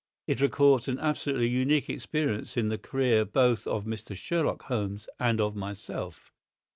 It records an absolutely unique experience in the career both of Mr. Sherlock Holmes and of myself.